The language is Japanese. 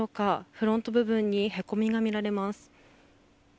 フロント部分にへこみが見られます。